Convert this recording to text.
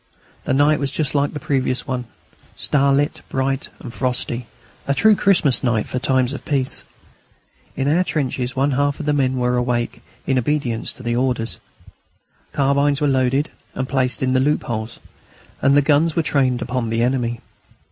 The night was just like the previous one, starlit, bright, and frosty, a true Christmas night for times of peace. In our trenches one half of the men were awake, in obedience to orders. Carbines were loaded and placed in the loopholes, and the guns were trained upon the enemy.